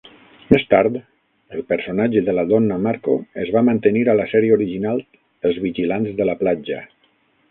Més tard, el personatge de la Donna Marco es va mantenir a la sèrie original "Els vigilants de la platja".